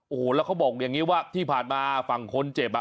โอ้โหแล้วเขาบอกอย่างนี้ว่าที่ผ่านมาฝั่งคนเจ็บอ่ะ